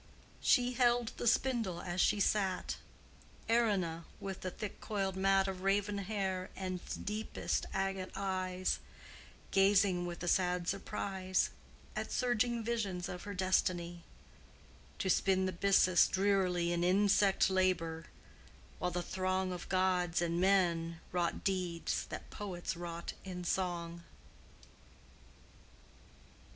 She held the spindle as she sat, Errina with the thick coiled mat Of raven hair and deepest agate eyes, Gazing with a sad surprise At surging visions of her destiny— To spin the byssus drearily In insect labor, while the throng Of gods and men wrought deeds that poets wrought in song.